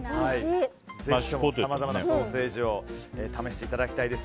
ぜひさまざまなソーセージを試していただきたいです。